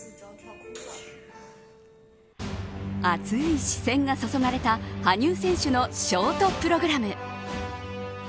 熱い視線が注がれた羽生選手のショートプログラム。